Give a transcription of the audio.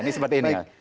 ini seperti ini